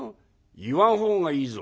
「言わん方がいいぞ」。